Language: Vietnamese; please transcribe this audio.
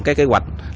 cái kế hoạch